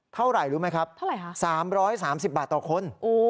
เท่าไหร่รู้ไหมครับสามร้อยสามสิบบาทต่อคน